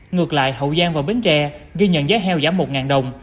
ngược lại hậu giang và bến tre ghi nhận giá heo giảm một đồng